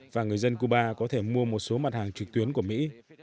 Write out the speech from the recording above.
và người dân cuba có thể mua một số mặt hàng trực tuyến của mỹ